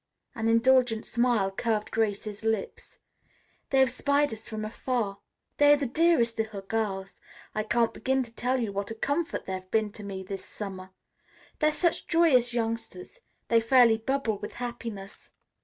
An indulgent smile curved Grace's lips. "They have spied us from afar. They are the dearest little girls. I can't begin to tell you what a comfort they've been to me this summer. They're such joyous youngsters. They fairly bubble with happiness.